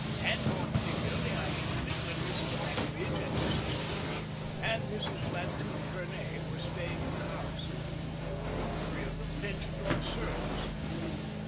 And more particularly I hated it when Mrs. Mackridge and Mrs. Booch and Mrs. Latude Fernay were staying in the house. They were, all three of them, pensioned off servants.